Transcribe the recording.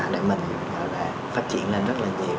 để mình phát triển lên rất là nhiều